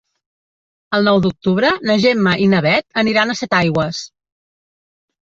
El nou d'octubre na Gemma i na Bet aniran a Setaigües.